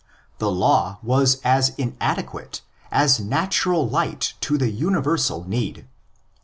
The law was as inadequate as natural light to the universal need.